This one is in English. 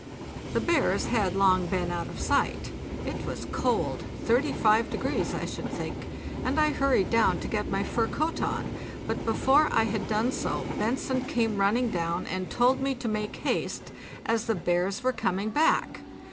The bears had long been out of sight. It was cold, 35 degrees I should think, and I hurried down to get my fur coat on, but before I had done so Bentzen came running down and told me to make haste, as the bears were coming back.